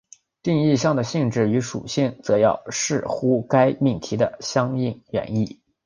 定义项的性质与属性则要视乎该命题的相应原意。